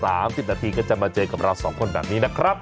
หน้า๑๕นรกา๓๐นาทีก็จะมาเจอกับเรา๒คนแบบนี้นะครับ